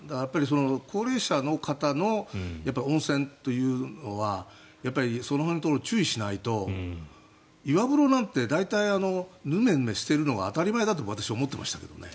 高齢者の方の温泉というのはそこら辺、注意しないと岩風呂なんて大体ヌメヌメしているのが当たり前だと私は思ってましたけどね。